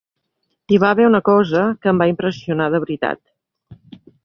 Hi va haver una cosa que em va impressionar de veritat.